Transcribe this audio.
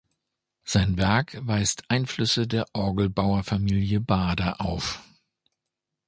Sein Werk weist Einflüsse der Orgelbauerfamilie Bader auf.